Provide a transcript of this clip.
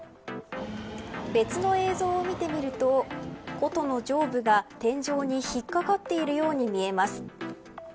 別の映像を見てみると琴の上部が天井に引っかかっているように見えます。